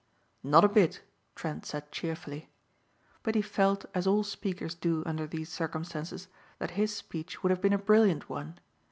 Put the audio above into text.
"Not a bit," Trent said cheerfully. But he felt as all speakers do under these circumstances that his speech would have been a brilliant one.